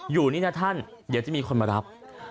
อยู่นี่นะท่านเดี๋ยวจะมีคนมารับ